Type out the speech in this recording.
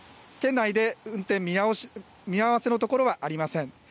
県内で運転見直し、見合わせのところはありません。